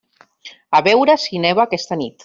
A veure si neva aquesta nit.